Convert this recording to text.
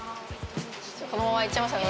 このままいっちゃいますね